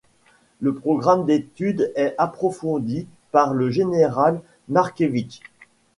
Le programme d'études est approfondi par le général Markevitch.